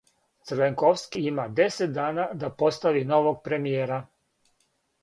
Црвенковски има десет дана да постави новог премијера.